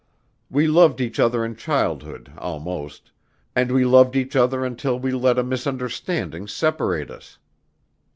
We loved each other in childhood, almost, and we loved each other until we let a misunderstanding separate us.